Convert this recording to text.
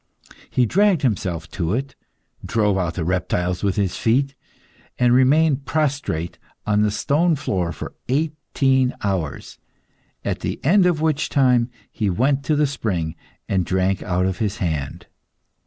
He dragged himself to it, drove out the reptiles with his feet, and remained prostrate on the stone floor for eighteen hours, at the end of which time he went to the spring, and drank out of his hand.